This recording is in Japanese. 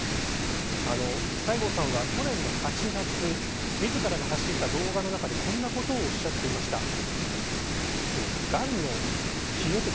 西郷さんは去年の８月自らが発信した動画の中でこんなことをおっしゃっていました。